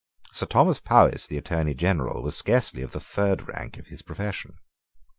Sir Thomas Powis, the Attorney General, was scarcely of the third rank in his profession.